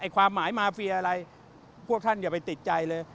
ความหมายมาเฟียอะไรพวกท่านอย่าไปติดใจเลย